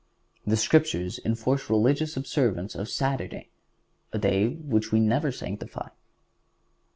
The Scriptures enforce the religious observance of Saturday, a day which we never sanctify.